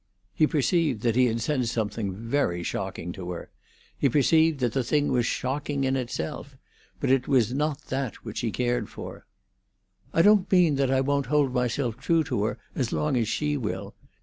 He perceived that he had said something very shocking to her; he perceived that the thing was shocking in itself, but it was not that which he cared for. "I don't mean that I won't hold myself true to her as long as she will.